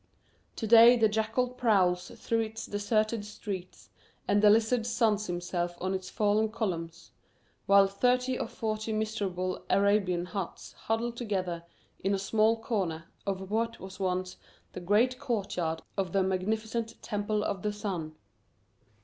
To day the jackal prowls through its deserted streets and the lizard suns himself on its fallen columns, while thirty or forty miserable Arabian huts huddle together in a small corner of what was once the great court yard of the magnificent Temple of the Sun.